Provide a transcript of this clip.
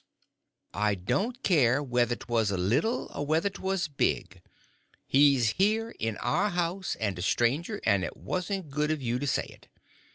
"I don't care whether 'twas little or whether 'twas big; he's here in our house and a stranger, and it wasn't good of you to say it.